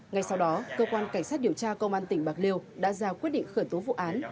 ngay sau đó cơ quan cảnh sát điều tra công an tỉnh bạc liêu đã ra quyết định khởi tố vụ án